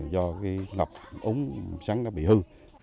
do ngập ống sắn bị hư